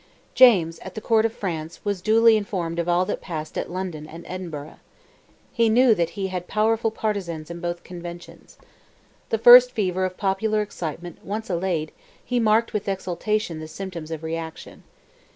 James, at the Court of France, was duly informed of all that passed at London and Edinburgh. He knew that he had powerful partizans in both conventions. The first fever of popular excitement once allayed, he marked with exultation the symptoms of reaction.